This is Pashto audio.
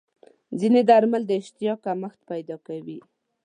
ځینې درمل د اشتها کمښت پیدا کوي.